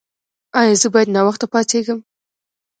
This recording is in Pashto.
ایا زه باید ناوخته پاڅیږم؟